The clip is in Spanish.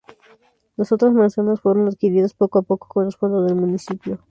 Las otras manzanas fueron adquiridas poco a poco con los fondos del municipio.